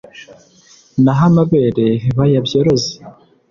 Naho amabere bayabyoroze